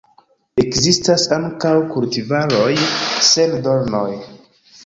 Ekzistas ankaŭ kultivaroj sen dornoj.